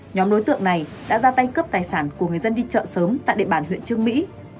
nhóm đối tượng này đã ra tay cướp tài sản của người dân đi chợ sớm tại địa bàn huyện trương mỹ